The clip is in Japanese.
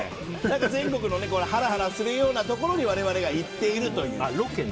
全国のハラハラするようなところに我々が行っているという。